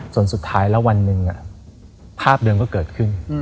สุดท้ายแล้ววันหนึ่งภาพเดิมก็เกิดขึ้น